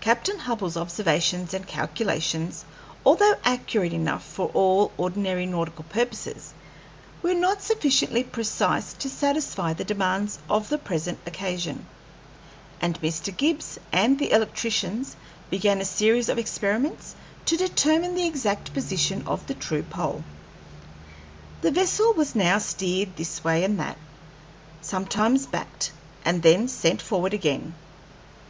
Captain Hubbell's observations and calculations, although accurate enough for all ordinary nautical purposes, were not sufficiently precise to satisfy the demands of the present occasion, and Mr. Gibbs and the electricians began a series of experiments to determine the exact position of the true pole. The vessel was now steered this way and that, sometimes backed, and then sent forward again.